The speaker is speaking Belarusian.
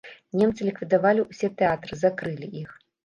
Немцы ліквідавалі ўсе тэатры, закрылі іх.